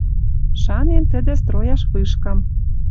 Шанен тӹдӹ строяш вышкам.